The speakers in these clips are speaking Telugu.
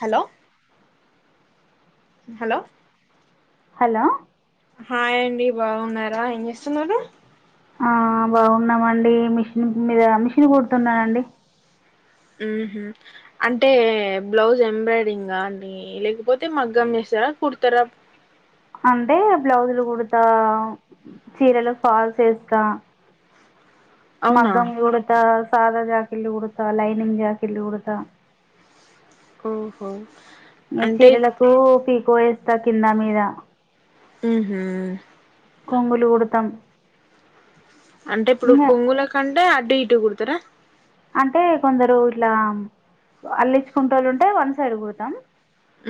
హలో హలో హలో హాయండి బావున్నారా ఏం జేస్తున్నారు ఆ బాగున్నామండి మిషిన్ మీదా మిషన్ గుడ్తున్నానండి ఉమ్ హ్ అంటే బ్లౌజ్ ఎంబ్రాయ్డింగా అండి లేకపోత్ తే మగ్గం జెస్సా ఆ కుడ్తరా అంటే బ్లౌజులు కుడతా చీరలక్ పాల్స్ ఏస్తా అవునా మగ్గం గుడుతా సాదా జాకిల్లు కుడుత లైనింగ్ జాకిట్లు కుడుతా ఓహో ఈగ అంటే చీరలకు పీకో ఏస్తా కింద మీద ఉమ్ హ్ కొంగులు కుడుతం అంటెప్పుడు కొంగుల కంటే అటు ఇటు కుడ్తరా అంటే కొందరు ఇట్లా అల్లిచ్చికొన్టోళ్ళుంటే వన్ సైడ్ కుడుతుం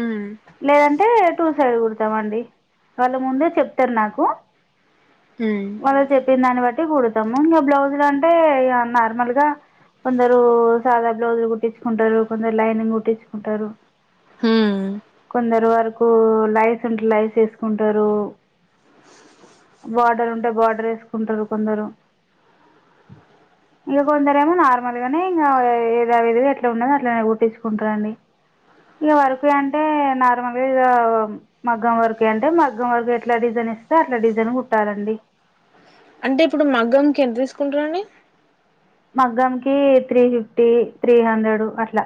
ఉమ్మ్ లేదంటే టూ సైడ్ గుడ్తామండి వాళ్ళు ముందే చెప్తర్ నాకు ఉమ్ వాళ్ళ చెప్పిన్దాన్ వట్టి గుడ్త్ తాము బ్లౌజులంటే నార్మల్గా కొందరు షాదా బ్లౌజులు గుట్టించ్ ఉంటరు కొందర్ లైనింగ్ కుట్టించుకుంటరు ఉమ్ కొందరు వర్కూ లై లైస్ ఎస్కుంటరూ బార్డరుంటే బార్డర్ ఎస్కుంటరు కొందరు ఇగ కొందరేమో నార్ ర్మల్గనే ఇంగా ఏదావిదిగా ఎట్లున్నదో అట్లనే కుట్టించుకుంట్రండి ఇగ వర్క్ యంటే నార్మల్ గా ఇగా మగ్గం వర్క్యంటే మగ్గం వర్క్ యెట్ల డిజై డ్రేస్సె అట్లా డిజైన్ గుట్టాలండి అంటే ఇప్పుడు మగ్గంకెంత తిస్కుంటరండి మగ్గంకి త్రీ ఫిఫ్టీ త్రీ హండ్రెడ్ అట్ల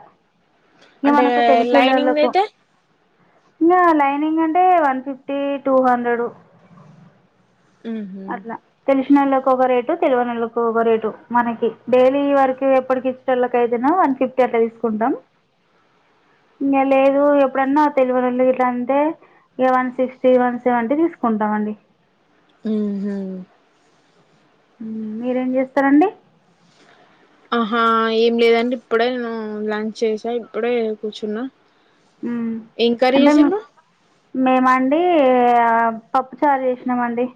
ఇంగ అంటే మనకు లైనింగ్ తెలిసిల్లలకు అయితే ఇంగ లైనింగ్ అంటే వన్ ఫిఫ్టీ టూ హండ్రెడు ఉహు అట్లా తెలిసినోళ్ళకి ఒక రేటు తెలవనోళ్ళకి ఒక రేటు మనకి డైలీ వరకు ఎప్పుడు తీస్తోళ్ళకయితేనెమో వన్ ఫిఫ్టీ అట్లా తీసుకుంటాం ఇంగ లేదు ఎప్పుడన్నా తెలివనోళ్లు గిట్ల అంటే ఇగ వన్ సిక్స్టీ వన్ సెవెంటీ తీసుకుంటామండి మ్ హు మ్ మీరేం చేస్తారండి ఆహా ఏం లేదండి ఇప్పుడే నేను లంచ్ చేసా ఇప్పుడే కూర్చున్నా మ్ ఏం కర్రీ అంటే చేసినవ్ మేమా అండి ఆ పప్పు చారు చేసినామండి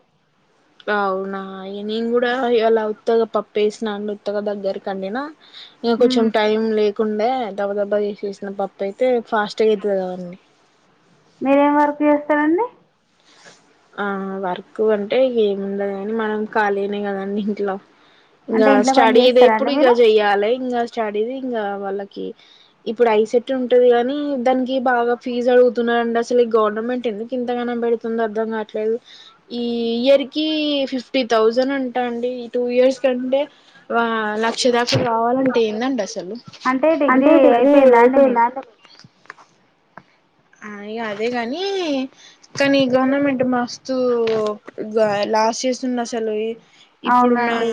అవునా నేను కూడా ఇయలా ఉత్తగ పప్పేసినాండి ఉత్తగ దగ్గరికొండినా ఇగా కొంచెం టైం లేకుండా దబ్బ దబ్బా చేసేసిన పప్ పైతే ఫాస్ట్గా అయితది కదా అండి మీరేం వర్క్ చేస్తారండి ఆ వర్క్ అంటే ఇగ ఏముండదు కాని మనం ఖాళీ నే కదండి ఇంట్లో అంటే ఇంగా ఇంట్లో పని స్టడీది చేస్తారా ఎప్పుడు అండి ఇగ మీరు చెయ్యాలే ఇంగా స్టడీది ఇంగ వాళ్ళకి ఇప్పుడు ఐసెట్ ఉంటది కాని దానికి బాగా ఫీజు అడుగుతున్నాడండి అసలు ఈ గవర్నమెంట్ ఎందుకు ఇం తగానం పెడుతుందో అర్థం కాట్లేదు ఈ ఇయర్ కి ఫిఫ్టీ థౌజండ్ అంట అండి ఈ టూ ఇయర్స్ కంటే వ ఆ లక్ష దాక కావాలంటే ఏందండి అసలు అంటే డిగ్రీ అయిపోయిందా అండి అ ఇగ అదేగాని కానీ గవర్నమెంట్ మస్తు లాస్ చేస్తుంది అసలు ఇప్ ఇప్పుడున్న అవునండి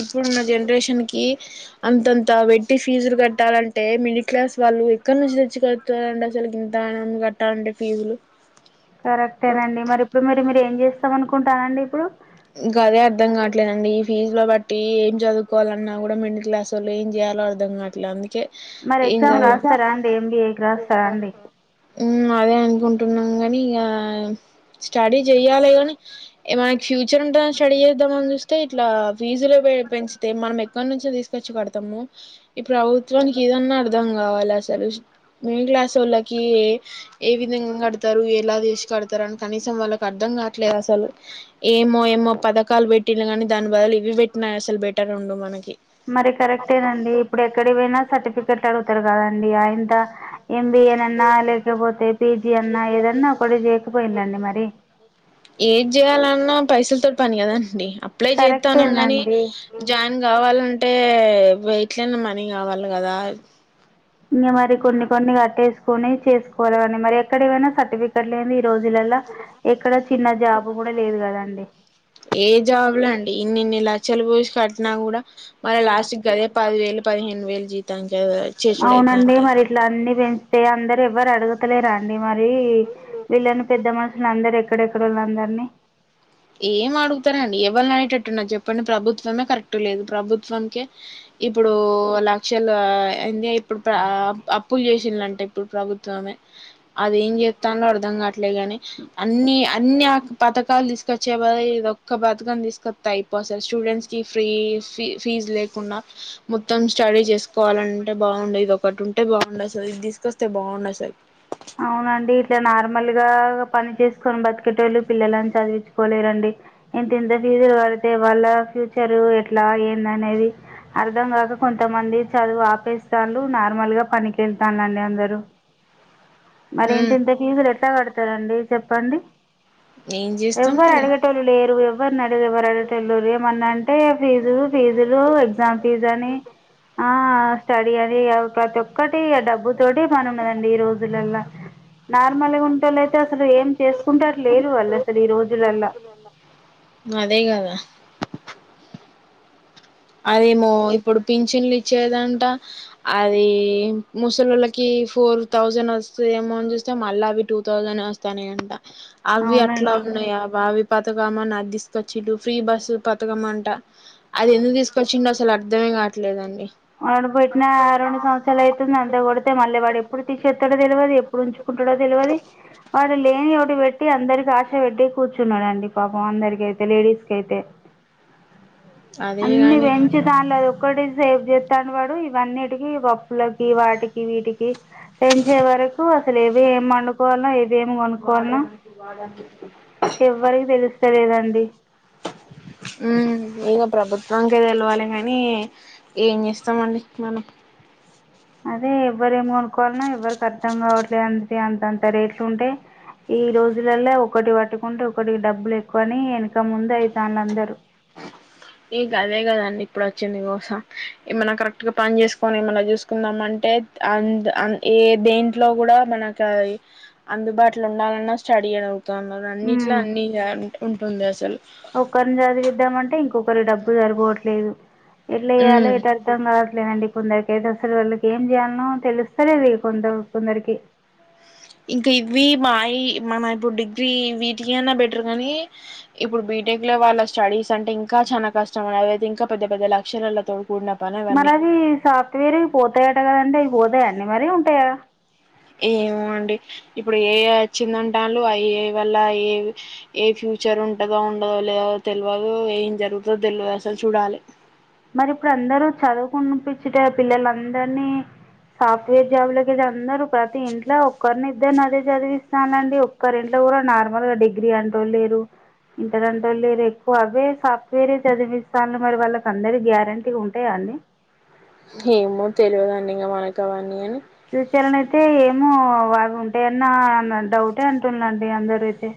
ఇప్పుడున్న జనరేషన్ కి అంతంత పెట్టి ఫీజులు కట్టాలంటే మిడిల్ క్లాస్ వా ళ్ళు ఎక్కడ నుంచి తెచ్చుకడుతారండి అసలుకి ఇంతగనం కట్టాలంటే ఫీజులు కరెక్టేనండి మరి ఇప్పుడు మీరు మీరు ఏం చేస్తాం అనుకుంటానండి ఇప్పుడు గదే అర్ధం కావట్లేదండి ఈ ఫీజు ల బట్టి ఏం చదువుకోవాల్ నా కూడా మిడిల్ క్లాస్ వాళ్ళు ఏం చేయాలో అర్థం కాట్లే అందుకే మరి ఇంగ ఎగ్జామ్ రాస్తారా అండి ఎంబీఏకి రాస్తారా అండి మ్ అదే అనుకుం ంటున్నాం గాని ఇగ స్టడీ చెయాలె కాని మనకి ఫ్యూచర్ ఉంటదని స్టడీ చేద్దామని చూస్తే ఇట్లా ఫీజులు పె పెంచితే మనం ఎక్కనుంచి తీస్ తెచ్చి కడుతము ఈ ప్రభుత్వానికి ఇదన్న అర్థం కావాలి అసలు మిడిల్ క్లాసోళ్ళకి ఏ విధంగా కడుతారు ఎలా చేసి కడుతారు అని కనీసం వాళ్ళకి అర్ధం కాట్లేదు అసలు ఏమో ఏమో పథకాలు పెట్టిండు కాని దాని బదులు ఇవి పెట్టినా అసలు బెటరుండు మనకి మరి కరెక్టేనండి ఇప్పుడు ఎక్కడి పోయినా సర్టిఫికెట్ అడుగుతరు కదండి ఆయింత ఎంబి ఎ అన్న లేకపోతే పిజీ అన్నా ఏదన్నా ఒకటి చేయకపోయిందండి మరి ఏంద్ చేయాలన్నా పైసలతోట్ పని కదండి అప్లై చేత్తన్నం గానీ కరెక్టేనండి జాయిన్ కావాలంటే గో ఎటైన మనీ కావాలి కదా ఇంగ మరి కొన్ని కొన్ని కట్టేసుకుని చేసుకోవాలగని మరి ఎక్కడికి పోయిన సర్టిఫికెట్ లేనిది ఈ రోజులల్లా ఎక్కడ చిన్న జాబ్ కూడా లేదు కదండి ఏ జాబ్లా అండి ఇన్ని ఇన్ని లక్షలు పోసి కట్టినా కూడా మల్ల లాస్ట్గదే పది వేలు పదిహేను వేలు జీతానికి కవ్ చేసిూడైతాంటది అంతే అందరు ఎవ్వరు అడుగుతలేరా అండి మరి రి వీళ్ళని పెద్ద మనుషులు అందరు ఎక్కడెక్కడోళ్ళందర్నీ ఏం అడుగుతరండి ఎవల్ననేట్ ట్టున్నది చెప్పండి ప్రభుత్వమే కరెక్ట్ లేదు ప్రభుత్వంకే ఇప్పుడు ల క్షలా ఎంది ఇప్పుడు ప్ర అ అప్పులు చేసిలంట ఇప్పుడు ప్రభుత్వమే అదేం చేస్తాండో అర్ధం కావట్లే గాని అన్ని అన్ని అక్ పతకాలు తీస్ బదుల్ ఇదొక్క పథకం తీసుకొస్తే అయిపోవ్ అసల్ స్టూడెంట్స్ కి ఫ్రీ ఫీ ఫీజ్ లేకుండా మొత్తం స్టడీ చేసుకోవాలంటే బాగుండు ఇదోక్ ఒకటుంటే బాగుండస్సల్ ఇది తీసుకొస్తే బాగుండసల్ ండి ఇట్లా నార్మల్ గా పని చేసుకొని బతికేటోళ్ళు పిల్లలని చదివించుకోలేరండి ఇంతింత ఫీజులు కడితే వాళ్ళ ఫ్యూచర్ ఎట్లా ఏంది అనేది అర్థం కాక కొంతమంది చదువు ఆపేస్తాళ్ళు నార్మల్ గా పనికేల్తాండి అందరు మరి హ్మ్ ఇంతింత ఫీజులు ఎట్లా కడుతారండి చెప్పండి ఏం చేస్తాం ఎవ్వరు అడిగేటోలు లేరు ఎవ్వర్ డ్ న ఎవరడ్ అ చెల్లూరు ఏమన్నా అంటే ఫీజు ఫీజులు ఎగ్జామ్ ఫీజు అని ఆ స్టడీ అది కద్ ప్రతి ఒక్కటి డబ్బు తోటి పని ఉన్నదండి ఈ రోజు జూలల్లా నార్మల్గా ఉంటేళ్ళైతే అసలు ఏం చేసుకుంటట్లు లేరు వాళ్ళు అసలు ఈ రోజులల్ల అదే కాదా అదేమో ఇప్పుడు పింఛన్లు ఇచ్చేదంట అది ముసళ్ళోల్లకి ఫోర్ థౌజండ్ వస్తయేమొ అని చూస్తే మళ్ళా అవి టూ థౌజండ్ వస్తాయ్ అంట అవి అట్లా అవునండి ఉన్నాయా బా వి పథకం అని అది తీసుకొచ్చిండు ఫ్రీ బస్సు పథకం అంట అది ఎందుకు తీస్ కొచ్చిండో అసలు అర్ధమే కావట్లేదండి వాడు పెట్టినా ఆ రెండు సంవత్సరాలు అయితుంది అంత కొడితే మళ్ళీ వాడు ఎప్పుడు తీసేస్తాడో తెలువది ఎప్పుడు ఉంచుకుం తెల్వది వాడు లేని ఓటి పెట్టి అందరికి ఆశ పెట్టే కూర్చున్నాడండి పాపం అందరికి అయితే లేడీస్ కైతే అదే అన్ని గాని పెంచుతాండు అది ఒక్కటి సేవ్ చేస్ తాండు వాడు ఇవన్నిటికి పప్పులకి వాటికి వీటికి పెంచే వరకు అసలు ఏవి ఏం వండుకోవాన్లో ఎ ఇదేమనుక్కోవాల్నో ఎవ్వరికి తెలుస్తలేదండి హుమ్ ఇగ ప్రభుత్ త్వంకే తెలువాలే కానీ ఏం చేస్తామండి మనం అదే ఎవ్వరేం కొనుకోవాల్నో ఎవ్వరికి అర్థం కావట్లేదు అందుకే అంతంత రేట్లు ఉంటే ఈ రోజులలో ఒకటి పట్టుకుంటే ఒకటి డబ్బులు ఎక్కువ అని వెనక ముంది అయి తాళ్లందరు ఇగ అదే కదండి ఇప్పుడు వచ్చింది గోస ఏమన్నా కరెక్ట్ గా పని చేసుకొని ఏమనా చూసుకుందాం అంటే అంద్ అ ఏ దేంట్లో కూడా మనకు అందుబాటులో ఉండాలన్నా స్టడీ అవ్ అన్నిట్ల అన్ని ఉంటుంది అసలు ఒకరిని చదివిద్దామంటే ఇంకొకరి డబ్బు సరిపోవట్లేదు ఎట్ల చెయ్యాలే ఉమ్ ఎట్ అర్థంగా లేదండి కొందరికైతే అసలు వాళ్ళకి ఏం చేయాల్నో తెలుస్తలేదు కొ త కొందరికి ఇంకా ఇవి మాయి మన ఇప్పుడు డిగ్రీ వీటియన్న బెటర్ కానీ ఇప్పుడు బీటెక్ లో వాళ్ళ స్టడీస్ అంటే ఇంకా చాలా కష్టం అండి అవైతే ఇంకా పెద్ద పెద్ద లక్షలలా త మరి అవి సాఫ్ట్వేర్వి పోతాయట కదండి అవి పోతాయ అండి మరి ఉంటాయా ఏమో అండి ఇప్పుడు ఎఐ వచ్చిందంటాళ్ళు ఆ ఎఐ వల్ల ఏ ఏ ఫ్యూచర్ ఉంటదో ఉన్నదో లేదో తెల్వదు ఏం జరుగుతదో తెలువదు అసలు చూడాలే మరి ఇప్పుడు అందరు చదువుకునిపిచ్చిటే పిల్లలందరినీ సాఫ్ట్వేర్ జాబులకైతే అందరు ప్రతి ఇంట్లో ఒక్కరినిద్దర్ని అదే చదివిస్తానండి ఒక్కరి ఇంట్లో కూడా నార్మల్ గా డిగ్రీ అంటోలేరు ఇంటరంటోళ్ళు లేరు ఎక్కువ అవే సాఫ్ట్వేరే చదివిస్తాన్లు మరి వాళ్ళ అందరి గ్యారెంటీగా ఉంటాయా అండి గవన్నిగని ేమో బాగుంటాయన్న న డౌటే అంటున్నాండి అందరైతే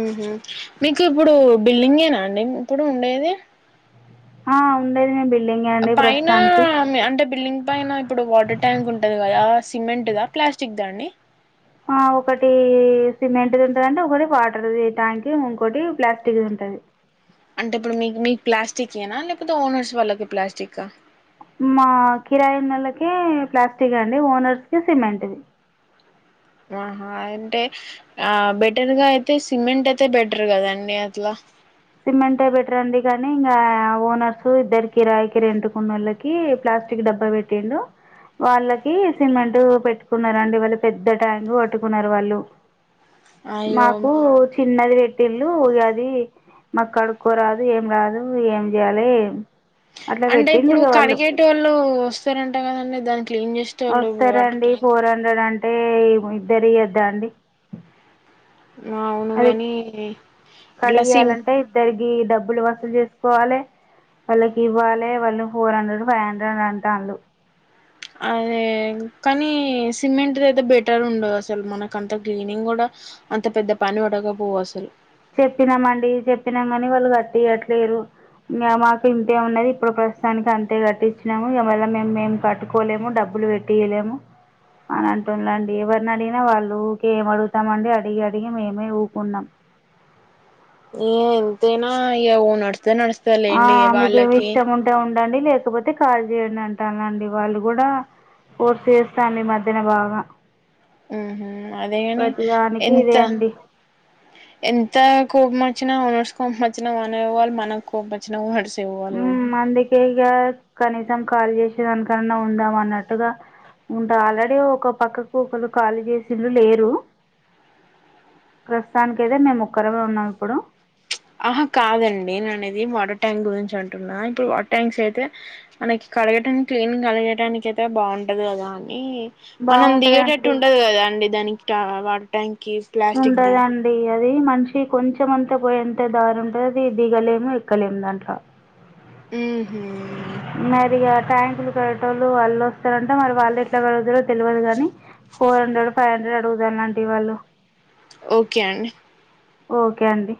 మ్ హు మీకు ఇప్పుడు బిల్డింగేనాండి ఇప్పుడు ఉండేది ఆ ఉండేది మీమ్ బిల్ పైన మ్ అంటే బిల్డింగ్ పైన ఇప్పుడు వాటర్ ట్యాంక్ ఉంటది కదా సిమెంట్దా ప్లాస్ స్టిక్దా అండి ఆ ఒకటి సిమెంట్ది ఉంటదండి ఒకటి వాటర్ది ట్యాంక్ ఇంకోటి ప్లాస్టిక్ది టది అంటే ఇప్పుడు మీక్ మీకు ప్లాస్టిక్యేనా లేపోతే ఓనర్స్ వాళ్ళకి ప్లాస్టికా మా కిరాయి ఉన్నోళ్లకే ప్లాస్టిక్ అండి ఓనర్స్ కి సిమెంట్దీ అహా అంటే ఆ బెటర్ గా అయితే సిమెంట్ అయితే బెటర్ గదండి అట్లా సిమెంటె బెట్రండి గానీ ఇంగా ఓనర్స్ ఇద్దరు కిరాయికీరెంటుకున్నోళ్ళకి ప్లా స్టిక్ డబ్బ పెట్టిండు వాళ్ళకి సిమెంట్ పెట్టుకున్నరండి వాళ్ళు పెద్ద ట్యాంక్ కట్టుకున్నారు వాళ్ళు అయ్యో మాకు చిన్నది వెట్టిళ్ళు ఇగాది మాక్కడుక్కోరాదు ఏం కాదు ఏం జేయాలే అంటే ఇపుడు కడిగేటోళ్ళు వస్తారంట కదండి దాని వొస్తరండి ఫోర్ హండ్రెడ్ అ ంటే ఇద్దరియ్యద్దా అండి అవును గని కడిగియాలంటే ఇద్దరిగి డబ్బులు వస్ జెస్కోవాలే వాళ్ళకి ఇవ్వాలే వాళ్ళు ఫోర్ హండ్రెడ్ ఫైవ్ హండ్రెడ్ అంటాళ్ళు అదే కానీ సిమెంట్ది అయితే బెటర్ ఉండదు అసలు మనకంత క్లీనింగ్ కూడా అంత పెద్ద పని పడకపోవసలు చెప్పినమండి చెప్పినం గానీ వాళ్ళు గట్టియట్లేరు ఇంగా మాకు ఇంతే ఉన్నది ఇప్పుడు ప్రస్తుతానికి అంతే కట్టిచ్చినాము ఇగ మళ్ళ మేం మేం కట్టుకోలేము డబ్ బ్బులు వెట్టియ్యలేము అనంటుండ్లండి ఎవర్ని అడిగినా వాళ్ళు ఊకే ఏం అడుగుతామండి అడిగి అడిగి మేమే ఊకున్నం ఏ ఎంతైనా ఇగా ఓనర్స్దే నడుస్తాదిలేండి వాళ్ళకి లండి లేకపోతే కాల్ జేయండి అంటల్నండి వాళ్ళు గూడా ఫోర్స్ చేస్తాండ్లు ఈ మధ్యన భాగ ఉహ్హు అదేగని ఎంత ఇదే అండి ఎంత కోపమచ్చినా వోనర్స్ కోపం వచ్చిన మనమే వాళ్ళు మనకు కోపంచ్చినా [unintelligible] ఉమ్మ్ అందుకే ఇగా కనీసం కాల్ జేసే దాన్కనన్నా ఉందాం అన్నట్టుగా ఉంటా ఆల్రెడీ ఒక పక్కకు ఒకొల్లు ఖాళీ జేసిళ్ళు లేరు ప్రస్తుతానికైతే మేము ఒక్కరమే ఉన్నమిప్పుడు ఆహా కాదండి నేనేది వాటర్ ట్యాంక్ గురించి అంటున్నా ఇప్పుడు వాట్ ట్యాంక్స్ అయితే మనకి కడగటం క్లీన్ కడగటానికైతే బాగు ఉంటది గదాని మనం దిగేటట్టు బాగుంటుందండి ఉండదు గదాండి దానికి ట వాటర్ ట్యాంక్ కి ప్లాస్టిక్ ది ఉండదండి అ ది మనిషి కొంచెంమంతా పోయేంత దారి ఉంటది అది దిగలేము ఎక్కలేము దాంట్ల ఉహు్మ్ మరిగా ట్యాంకులు కడిగేటోళ్ళు వాళ్ళోస్తరంట మరి వాళ్ళేట్లా కడుగుతారో తెలువదు గాని ఫోర్ హండ్రెడ్ ఫై హండ్రెడ్ అడుగుదాలంటి వాళ్ళు ఓకే అండి ఓకే అండి